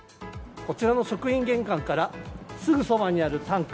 こちらの職員玄関からすぐそばにあるタンク。